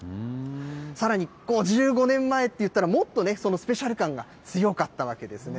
さらに５５年前っていったら、もっとスペシャル感が強かったわけですね。